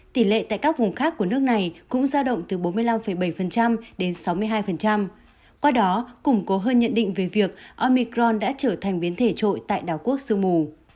tỷ lệ tại các vùng khác của nước này cũng giao động từ bốn mươi năm bảy đến sáu mươi hai qua đó củng cố hơn nhận định về việc omicron đã trở thành biến thể trội tại đảo quốc sương mù